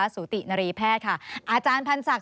สูตินริแพทย์อาจารย์พันษัก